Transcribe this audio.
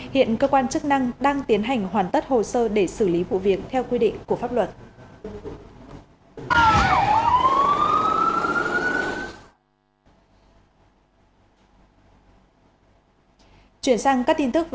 hiện cơ quan chức năng đang tiến hành hoàn tất hồ sơ để xử lý vụ việc theo quy định của pháp luật